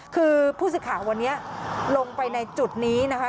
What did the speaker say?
คือผู้สื่อข่าววันนี้ลงไปในจุดนี้นะคะ